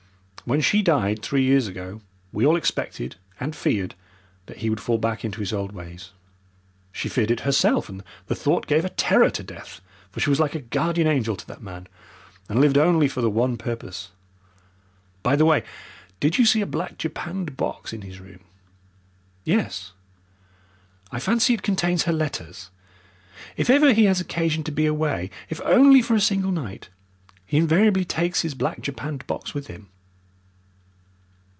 When she died three years ago, we all expected and feared that he would fall back into his old ways. She feared it herself, and the thought gave a terror to death, for she was like a guardian angel to that man, and lived only for the one purpose. By the way, did you see a black japanned box in his room?" "Yes." "I fancy it contains her letters. If ever he has occasion to be away, if only for a single night, he invariably takes his black japanned box with him.